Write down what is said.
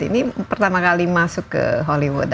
ini pertama kali masuk ke hollywood